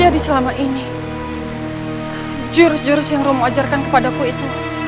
jadi selama ini jurus jurus yang romo ajarkan kepadaku itu